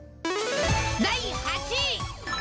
第８位。